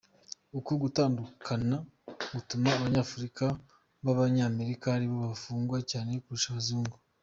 Uku gutandukana gutuma Abanyafurika b’Abanyamerika ari bo bafungwa cyane kurusha abazungu.